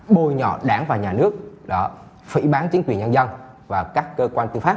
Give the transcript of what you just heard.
bồi nhỏ đảng và nhà nước phỉ bán chính quyền nhân dân và các cơ quan tư pháp